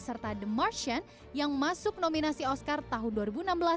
serta the martian yang masuk nominasi oscar tahun dua ribu enam belas